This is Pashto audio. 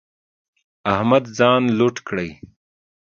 احمد ځان لټ کړی.